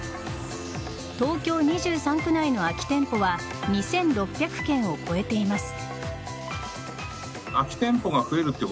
東京２３区内の空き店舗は２６００件を超えています。